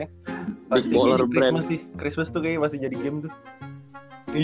pasti christmas tuh kayaknya masih jadi game tuh